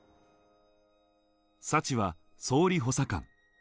サチは総理補佐官。